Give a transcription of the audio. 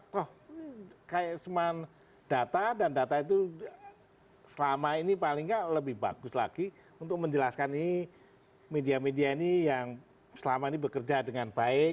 toh kayak cuman data dan data itu selama ini paling nggak lebih bagus lagi untuk menjelaskan ini media media ini yang selama ini bekerja dengan baik